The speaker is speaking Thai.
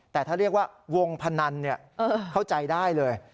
แต่ถ้าเรียกว่าวงพนันเข้าใจได้เลย